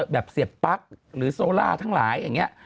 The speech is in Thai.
เสียบปั๊กหรือโซล่าทั้งหลายอย่างนี้